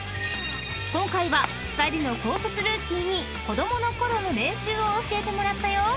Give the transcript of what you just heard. ［今回は２人の高卒ルーキーに子供のころの練習を教えてもらったよ］